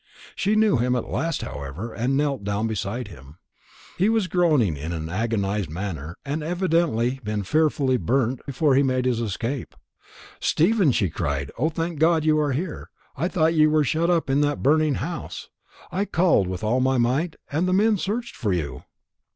She knew him at last, however, and knelt down beside him. He was groaning in an agonized manner, and had evidently been fearfully burnt before he made his escape. "Stephen!" she cried. "O, thank God you are here! I thought you were shut up in that burning house. I called with all my might, and the men searched for you."